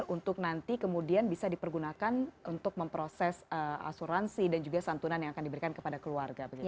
untuk nanti kemudian bisa dipergunakan untuk memproses asuransi dan juga santunan yang akan diberikan kepada keluarga